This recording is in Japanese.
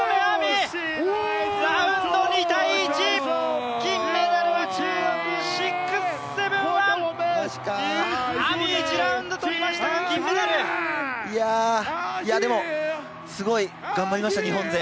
ラウンド２−１金メダルは中国、６７１！ＡＭＩ、１ラウンド取りましたが、銀メダル！でもすごい頑張りました、日本勢。